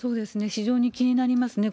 非常に気になりますね。